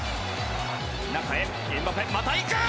中へ、エムバペまた行く！